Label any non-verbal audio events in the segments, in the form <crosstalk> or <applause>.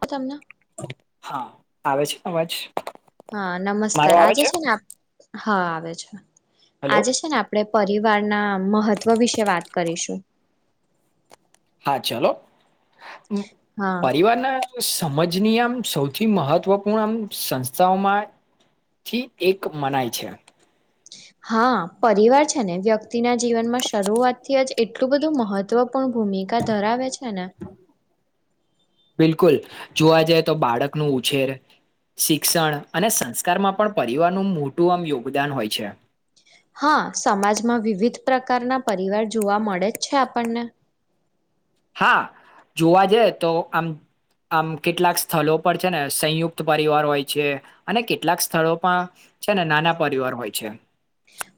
ક તમના હા આવે છે અવાજ. હા મારો નમસ્કાર આવે આજે છે ને. હા આવે છે. હલો આજે છે ને આપડે. પરિવારના મહત્વ વિશે વાત કરીશું. હા ચાલો. હા પરિવારના. સમજની આમ સૌથી મહત્વપૂર્ણ આમ સંસ્થાઓમાંથી એક મનાય છે. હા પરિવાર છે ને વ્યક્તિ. તિ ના જીવનમાં શરૂઆતથી જ. એટલું બધું મહત્વ. પણ ભૂમિકા ધરાવે છે ને. બિલકુલ જોવા જઈએ તો બાળકનું ઉછેર શિક્ષણ અને સંસ્કારમાં પણ પરિવારનું મોટું આમ યોગદાન હોય છે. હા સમાજમાં વિવિધ. પ્રકારના પરિવાર જોવા મળે જ છે આપણને. હા જોવા જઈએ તો આમ આમ કેટલાક સ્થળો પર છે ને સંયુક્ત પરિવાર હોય છે અને કેટલાક સ્થળોમાં.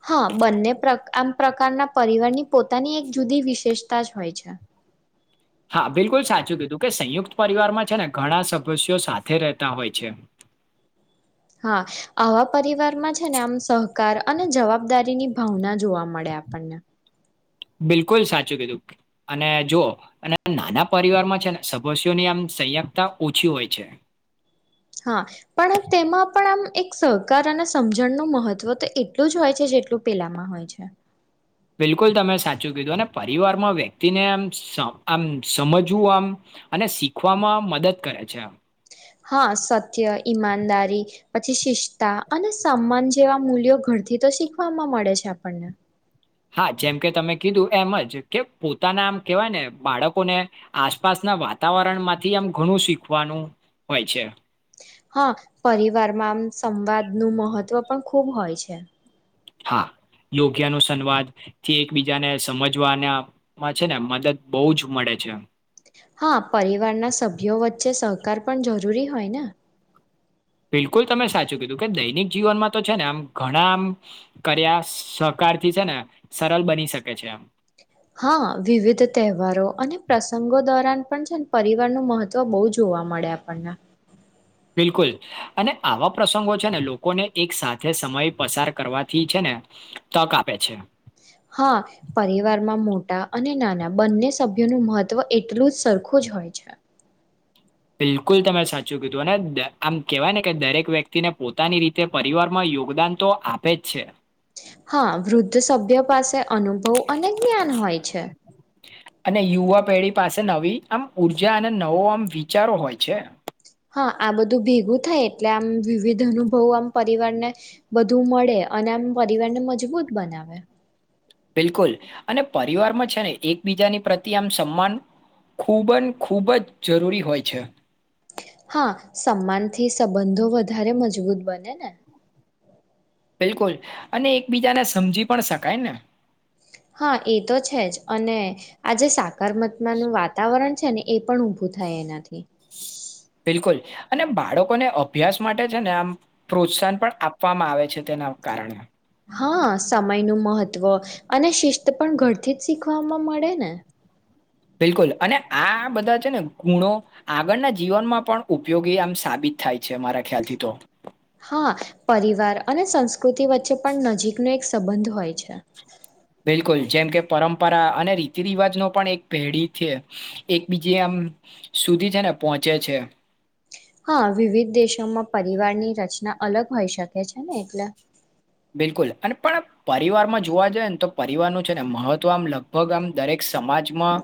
હા બંને પ્રકાર આમ. પ્રકારના પરિવારની. પોતાની એક જુદી વિશેષતા. તા જ હોય છે. હા બિલકુલ સાચું કીધું કે સંયુક્ત પરિવારમાં છે ને ઘણા સદસ્યો સાથે રહેતા હોય છે. હા આવા પરિવારમાં છે ને આમ સહકાર અને જવાબદારીની ભાવના જોવા મળે આપણને. બિલકુલ સાચું કીધું અને જોઓ અને નાના પરિવારમાં છે સસ્યોની આમ સયકતા ઓછી હોય છે. હા પણ તેમાં પણ આમ એક સહકાર અને સમજણનું મહત્ત્વ તો એટલું જ હોય છે જેટલું પેલામાં હોય છે. બિલકુલ તમે સાચું કીધું અને પરિવારમાં વ્યક્તિને આમ આમ સમજવું આમ અને શીખવામાં મદદ કરે છે આમ. હા સત્ય ઈમાનદારી. પછી શિસ્તા અને સંમાન જેવા મૂલ્યો ઘરથી તો શીખવામાં મળે છે આપણને. હા જેમ કે તમે કીધું એમ જ કે પોતાના આમ કેહેવાય ને બાળકોને આસપાસના વાતાવરણ માંથી આમ ઘણું શીખવાનું હોય છે. હા પરિવારમાં આમ સંવાદનું મહત્વ પણ ખૂબ હોય છે. હા યોગ્ય નુ સંવાદ થી એકબીજાને સમજવાનામાં છે ને મદદ બહુ જ મળે છે. હા પરિવારના સભ્યો વચ્ચે સહકાર પણ જરૂરી હોય ને. બિલકુલ તમે સાચું કીધું કે દૈનિક જીવનમાં તો છે ને આમ ઘણા આમ કર્યા સહકારથી છે ને સરળ બની શકે છે આમ. હા વિવિધ તહેવારો અને પ્રસંગો દોરાન પણ છે પરિવાર ન મહત્વ બહુ જોવા મળે આપણને. બિલકુલ અને આવા પ્રસંગો છે ને લોકોને એક સાથે સમય પસાર કરવાથી છે ને તક આપે છે. હા પરિવારમાં મોટ. ટા અને નાના બંને સભ્યોનું મહત્વ એટલું જ સરખું જ હોય છે. બિલકુલ તમે સાચું કીધું અને આમ કહેવાય ને કે દરેક વ્યક્તિને પોતાની રીતે પરિવારમાં યોગદાન તો આપે જ છે. હા વૃદ્ધ સભ્ય પાસે અનુભવ અને જ્ઞાન હોય છે. અને યુવા પેઢી પાસે નવી આમ ઉર્જા અને નવો આમ. વિચારો હોય છે. હા આ બધું ભેગું થાય એટલે આમ વિવિધ અનુભવો આમ પરિવારને વધું મળે અને આમ પરિવારને મજબૂત બનાવે બિલકુલ અને પરિવારમાં છે ને એકબીજાની પ્રતિ આમ સન્માન ખૂબ જ ખૂબ જ જરૂરી હોય છે હા સન્માનથી સંબંધો વધારે મજબૂત બને ને બિલકુલ અને એકબીજાને સમજી પણ શકાય ને હા એ તો છે જ અને આજે સા કર્મત્માનું વાતાવરણ છે ને એ પણ ઊભું થાય એનાથી બિલકુલ અને બાળકોને અભ્યાસ માટે છે ને આમ પ્રોત્સાહન પણ આપવામાં આવે છે તેના કારણે હા સમયનું મહત્વ અને શિસ્ત પણ ઘરથી જ શીખવામાં મળે ને બિલકુલ અને આ બધા છે ને ગુણો આગળના જીવનમાં પણ ઉપયોગી આમ સાબિત થાય છે મારા ખ્યાલથી તો હા પરિવાર અને સંસ્કૃતિ વચ્ચે પણ નજીકનો એક સંબંધ હોય છે બિલકુલ જેમ કે પરંપરા અને રીતિ રિવાજ ન પણ એક પેઢી છે એકબીજ આમ સુધી છે ને પહોંચે છે હા વિવિધ દેશોમાં પરિવારની રચના અલગ હોય શકે છે ને એટલે બિલકુલ અને પણ પરિવારમાં જોવા જાય ને તો પરિવારનું છે ને મહત્વ આમ લગભગ આમ દરેક સમાજમાં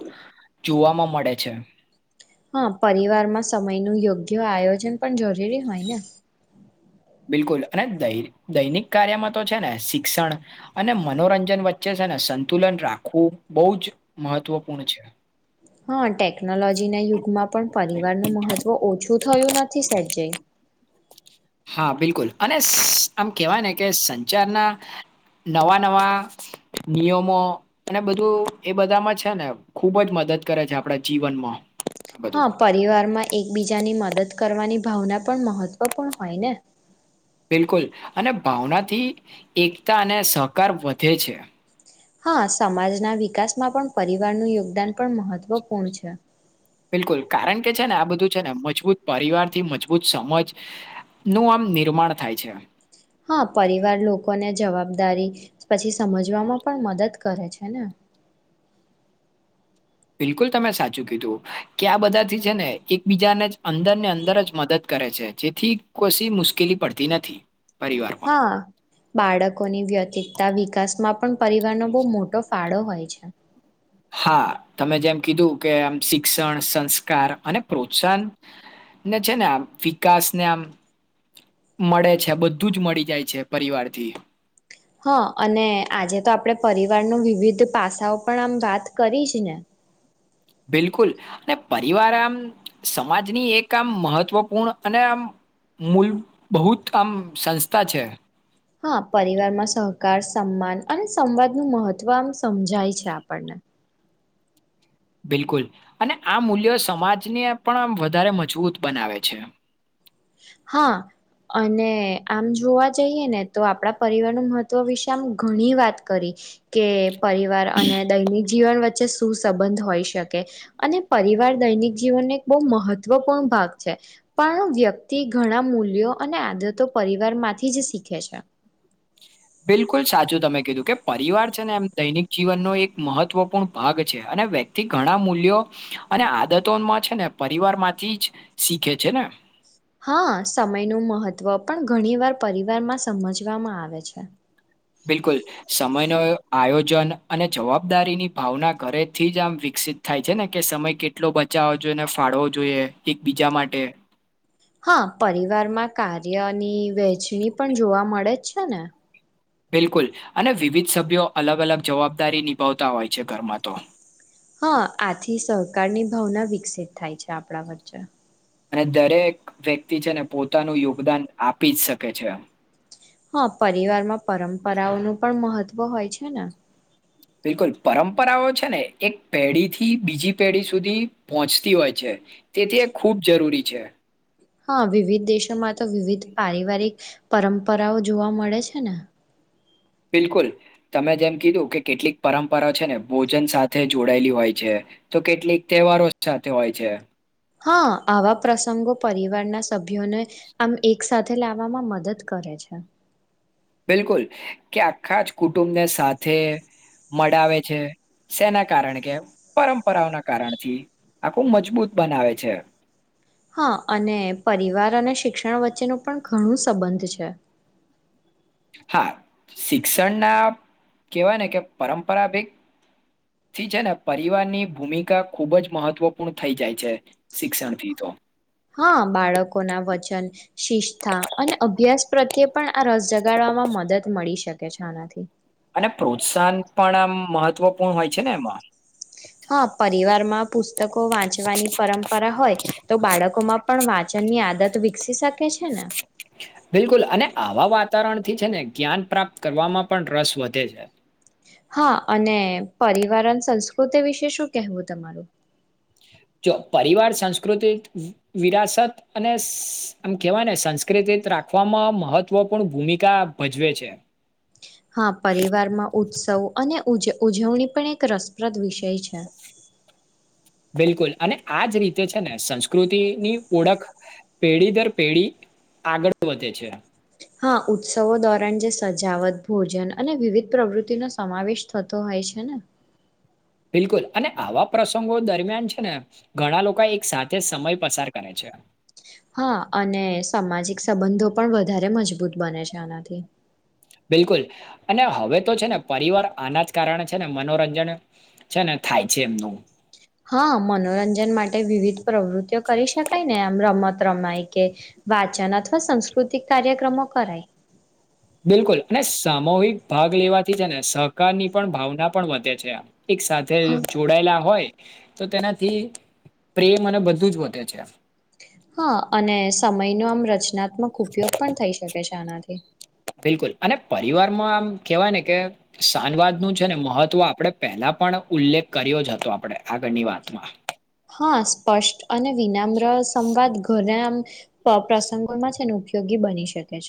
જોવાવામાં મળે છે હા પરિવાર માં સમય નું યોગ્ય આયોજન પણ જરૂરી હોય ને બિલકુલ અને દૈનિક કાર્યમાં તો છે ને શિક્ષણ અને મનોરંજન વચ્ચે છે ને સંતુલન રાખવું બહુ જ મહત્વપૂર્ણ છે હા ટટેક ટેકનોલોજીના યુગમાં પણ પરિવારનું મહત્વ ઓછું થયું નથી સેજ જેય હા બિલકુલ અને આમ કેહેવાય ને કે સંચારના નવા નવા નિયમો અને બધું એ બધામાં છે ને ખૂબ જ મદદ કરે છે આપણા જીવનમાં આ બધું હા પરિવાર માં એકબીજાની મદદ કરવાની ભાવના પણ મહત્વપૂર્ણ હોય ને બિલકુલ અને ભાવનાથી એકતા અને સહકાર વધે છે હા સમાજના વિકાસમાં પણ પરિવારનું યોગદાન પણ મહત્વપૂર્ણ છે બિલકુલ કારણ કે છે ને આ બધું છે ને મજબૂત પરિવાર થી મજબૂત સમજ નું આમ નિર્માણ થાય છે હા પરિવાર લોકોને જવાબદારી પછી સમજવામાં પણ મદદ કરે છે ને બિલકુલ તમે સાચું કીધું કે આ બધાથી છે ને એકબીજાને અંદર ને અંદર જ મદદ કરે છે જેથી કોશી મુશ્કેલી પડતી નથી પરિવારમાં હા બાળકોની વ્યતિિતતા વિકાસ માં પણ પરિવારનો બહુ મોટો ફાળો હોય છે હા તમે જેમ કીધું કે આમ શિક્ષણ સંસ્કાર અને પ્રોત્સાહન ને છે ને આમ વિકાસ ને આમ મળે છે બધું જ મળી જાય છે પરિવારથી હા અને આજે તો આપણે પરિવાર ન વિવિધ પાસાઓ પણ આમ વાત કરીશ ને બિલકુલ અને પરિવાર આમ સમાજની એક આમ મહત્વપૂર્ણ અને આમ મૂલ બહુત આમ સંસ્થા છે હા પરિવારમાં સહકાર સન્માન અને સંવાદનું મહત્ત્વ આમ સમજાય છે આપણને બિલકુલ અને આ મૂલ્યો સમાજને પણ વધારે મજબૂત બનાવે છે હા અને આમ જોવા જઈએ ને તો આપણા પરિવારનું મહત્વ વિશે આમ ઘણી વાત કરી કે પરિવાર અને દૈનિક જીવન વચ્ચે સુુંસબંધ હોઈ શકે અને પરિવાર દૈનિક જીવનને એક બહુ મહત્વપૂર્ણ ભાગ છે પણ વ્યતિ તે ઘણા મૂલ્યો અને આદતો પરિવારમાંથી જ શીખે છે બિલકુલ સાચું તમે કીધું કે પરિવાર છે ને એમ દૈનિક જીવનનો એક મહત્વપૂર્ણ ભાગ છે અને વ્યક્તિ ઘણા મૂલ્યો અને આદતોમાં છે ને પરિવાર માંથી જ શીખે છે ને હા સમયનું મહત્વ પણ ઘણી વાર પરિવારમાં સમજવામાં આવે છે બિલકુલ સમયનો આયોજન અને જવાબદારીની ભાવના ઘરેથી જ આમ વિકસિત થાય છે ને કે સમય કેટલો બચાવો જોઈએ ને ફાળવો જોઈએ એકબીજા માટે હા પરિવારમાં કાર્યની વહેચણી પણ જોવા મળે જ છે ને બિલકુલ અને વિવિધ સભ્યો અલગ અલગ જવાબદારી નિભાવતા હોય છે ઘરમાં તો હા આથી સહકારની ભાવના વિકસિત થાય છે આપણા વચ્ચે અને દરેક વ્યક્તિ છે ને પોતાનું યોગદાન આપી જ શકે છે હા પરિવારમાં પરંપરાઓનું પણ મહત્વ હોય છે બિલકુલ પરંપરાઓ છે ને એક પેઢી થી બીજી પેઢી સુધી પહોંચતી હોય છે તેથી ખૂબ જરૂરી છે હા વિવિધ દેશોમાં તો વિવિધ પારિવારિક પરંપરાઓ જોવા મળે છે ને બિલકુલ તમે જેમ કીધું કે કેટલીક પરંપરા છે ને ભોજન સાથે જોડાયેલી હોય છે તો કેટલીક તહેવારો સાથે હોય છે હા આવા પ્રસંગો પરિવારના સભ્યોને આમ એક સાથે લાવવામાં મદદ કરે છે બિલકુલ કે આખા જ કુટુંબને સાથે મળાવે છે તેેના કારણ કે પરંપરાઓના કારણથી આખું મજબૂત બનાવે છે હા અને પરિવાર અને શિક્ષણ વચ્ચેનું પણ ઘણું સંબંધ છે હા શિક્ષણના કેહેવાય ને કે પરંપરાભત થી છે ને પરિવારની ભૂમિકા ખૂબ જ મહત્વપૂર્ણ થઈ જાય છે શિક્ષણથી તો હા બાળકોના વચન શિસ્તાા અને અભ્યાસ પ્રત્યે પણ આ રસ જગાડવામાં મદદ મળી શકે છે આનાથી અને પ્રોત્સાહન પણ આમ મહત્વપૂર્ણ હોય છે ને એમાં હા પરિવારમાં પુસ્તકો વાંચવાની પરંપરા ની આદત વિક શ કે છેના બિલકુલ અને આવા વાતાવરણ થી છે ને જ્ઞાન પ્રાપ્ત કરવામાં પણ રસ વધે છે હા અને પરિવારન સંસ્કૃતિ વિશે શું કેહેવું તમારું જો પરિવાર સંસ્કૃત વિરાસત અને આમ કેવાય ને સંસ્કૃત રાખવામાં મહત્વપૂર્ણ ભૂમિકા ભજવે છે હા પરિવારમાં ઉત્સવ અને ઉજ ઉજવણી પણ એક રસપ્રદ વિષય છે બિલકુલ અને આજ રીતે છે ને સંસ્કૃતિની ઓળખ પેઢી દર પેઢી આગળ વધે છે હા ઉત્સવો દોરણ જે સજાવટ ભોજન અને વિવિધ પ્રવૃત્તિ નો સમાવેશ થતો હોય છે ને બિલકુલ અને આવા પ્રસંગો દરમિયાન છે ને ઘણા લોકો એક સાથે સમય પસાર કરે છે હા અને સામાજિક સંબંધો પણ વધારે મજબૂત બને છે આનાથી બિલકુલ અને હવે તો છે ને પરિવાર આના જ કારણે છે ને મનોરંજન છે ને થાય છે એમનું હા મનોરંજન માટે વિવિધ પ્રવૃત્તિઓ કરી શકાય ને આમ રમત રમાય કે વાચન અથવા સાસ્કૃતિક કાર્યક્રમો કરાય બિલકુલ અને સામૂહિક ભાગ લેવાથી છે ને સહકાર ની પણ ભાવના પણ વધે છે આમ એક સાથે હા જોડાયેલા હોય તો તેનાથી પ્રેમ અને બધું જ વધે છે હા અને સમય નો આમ રચના આત્મક ઉપયોગ પણ થઈ શકે છે આનાથી મ કેવાય ને કે શાનવાદ નું છે ને મહત્વ આપણે પહેલા પણ ઉલ્લેખ કર્યો જ હતો આપણે આગળની વાતમાં હા સ્પષ્ટ અને વિનામ્ર સંવાદ ઘરામ પ્રસંગોમાં છે અને ઉપયોગી બની શકે છે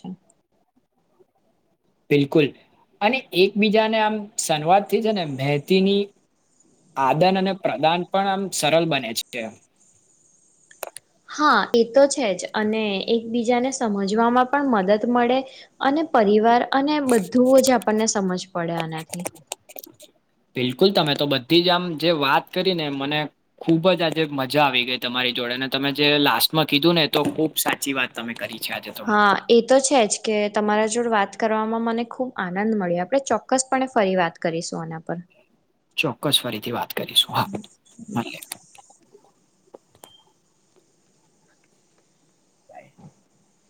બિલકુલ અને એકબીજાને આમ સંવાદથી છે ને મહેતીની આદાન અને પ્રદાન પણ આમ સરળ બને છે હા એ તો છે જ અને એક એક બીજાને સમજવામાં પણ મદદ મળે અને પરિવાર અને બધું જ આપણને સમજ પડે આનાથી બિલકુલ તમે તો બધી જ આમ જે વાત કરી ને મને ખુબ જ આજે મજા આવી ગઈ તમારી જોડે અને તમે જે લાસ્ટમાં કીધું ને તો ખુબ સાચી વાત તમે કરી છે આજે તો હા એ તો છે જ કે તમારા જોડ વાત કર મને ખુબ આનંદ મળ્યો આપણે ચોક્કસપણે ફરી વાત કરીશું એના પર ચોક્કસ ફરીથી વાત કરીશું હા બાય. <inaudible>